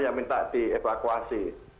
yang minta dievakuasi